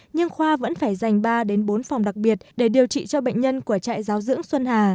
nhưng khoa vẫn phải dành ba bốn phòng đặc biệt để điều trị cho bệnh nhân của trại giáo dưỡng xuân hà